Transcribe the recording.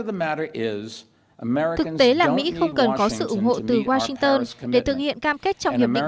thực tế là mỹ không cần có sự ủng hộ từ washington để thực hiện cam kết trong hiệp định